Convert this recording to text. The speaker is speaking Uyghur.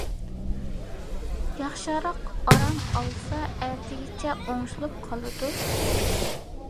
ياخشىراق ئارام ئالسا ئەتىگىچە ئوڭشىلىپ قالىدۇ.